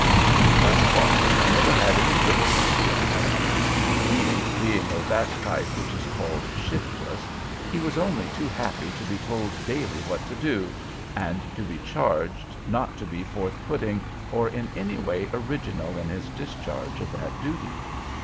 Thus far I never had any difficulty with him. Indeed, being of that type which is called shiftless, he was only too happy to be told daily what to do, and to be charged not to be forthputting or in any way original in his discharge of that duty.